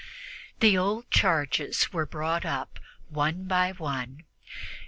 The old charges were brought up one by one.